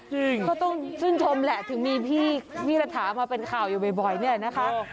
ก็ต้องชื่นชมแหละถึงมีพี่ระถามาเป็นข่าวอยู่บ่อยเนี่ยนะคะ